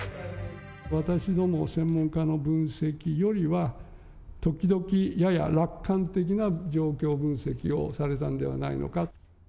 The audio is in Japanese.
私ども専門家の分析よりは、時々、やや楽観的な状況分析をされたのではないかと。